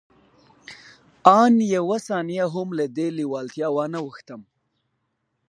آن يوه ثانيه هم له دې لېوالتیا وانه وښتم.